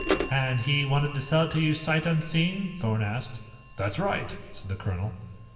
"And he wanted to sell it to you sight unseen?" Thorn asked. "That's right," said the colonel.